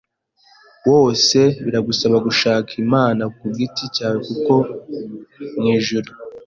wose biragusaba gushaka Imana ku giti cyawe kuko mu ijuru